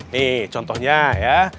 nih contohnya ya